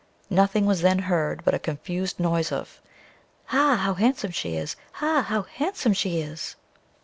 Nothing was then heard but a confused noise of, "Ha! how handsome she is! Ha! how handsome she is!"